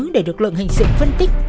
để được lượng hình sự phân tích